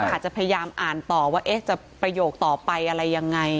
อาจจะพยายามอ่านต่อว่าจะประโยคต่อไปอะไรยังไง